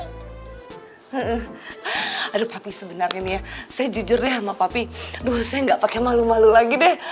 hai hehehe ada tapi sebenarnya saya jujur deh sama papi dosen nggak pakai malu malu lagi deh